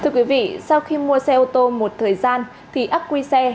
thưa quý vị sau khi mua xe ô tô một thời gian thì ác quy xe